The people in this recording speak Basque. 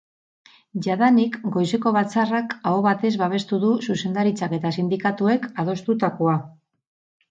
Jadanik goizeko batzarrak aho batez babestu du zuzendaritzak eta sindikatuek adostutakoa.